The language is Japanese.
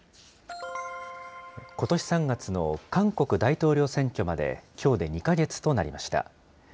ことし３月の韓国大統領選挙まできょうで２か月となりました。